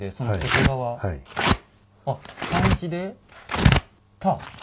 あっ漢字で「田」。